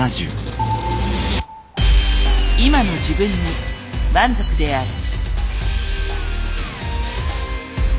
今の自分に満足である。